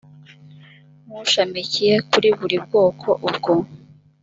nk ushamikiye kuri buri bwoko ubwo